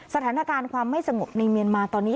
สถานการณ์ความไม่สงบในเมียนมาตอนนี้